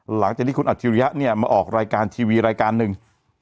หลังจากที่คุณอัจฉริยะเนี่ยมาออกรายการทีวีรายการหนึ่ง